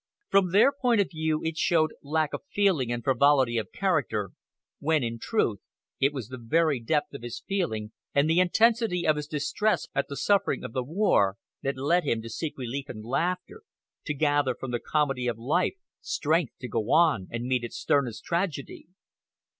From their point of view it showed lack of feeling and frivolity of character, when, in truth, it was the very depth of his feeling, and the intensity of his distress at the suffering of the war, that led him to seek relief in laughter, to gather from the comedy of life strength to go on and meet its sternest tragedy.